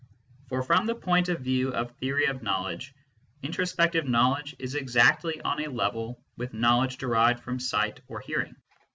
For, from the point of view ojQheofyjtf knowledge, introspective knowledge is exactly on a level with knowledge derived from sight or hearing.